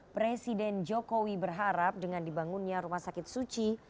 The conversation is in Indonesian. presiden jokowi berharap dengan dibangunnya rumah sakit suci